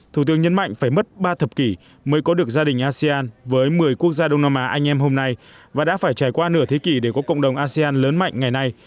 thủ tướng nhấn mạnh phải mất ba thập kỷ mới có được gia đình asean với một mươi quốc gia đông nam á anh em hôm nay và đã phải trải qua nửa thế kỷ để có cộng đồng asean lớn mạnh ngày nay